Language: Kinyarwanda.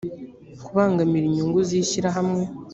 kubangamira inyungu z ishyirahamwe